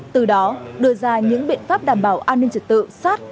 từ đó đưa ra những biện pháp đảm bảo an ninh trật tự sát